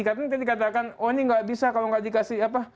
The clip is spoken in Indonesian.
katanya tadi katakan oh ini enggak bisa kalau enggak dikasih apa